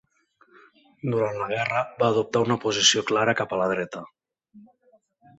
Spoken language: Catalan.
Durant la guerra, va adoptar una posició clara cap a la dreta.